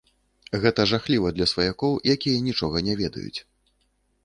Гэта жахліва для сваякоў, якія нічога не ведаюць.